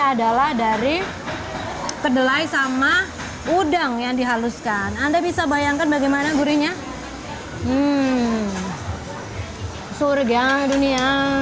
adalah dari kedelai sama udang yang dihaluskan anda bisa bayangkan bagaimana gurinya surga dunia